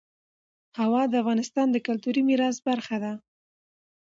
هوا د افغانستان د کلتوري میراث برخه ده.